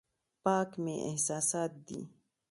پاک مې احساسات دي.